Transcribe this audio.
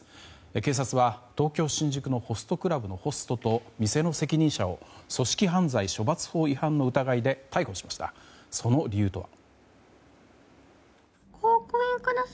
警察は、東京・新宿のホストクラブのホストと店の責任者を組織犯罪処罰法の疑いで逮捕しました、その理由とは。